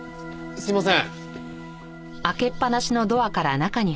すいません。